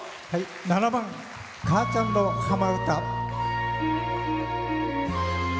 ７番「母ちゃんの浜唄」。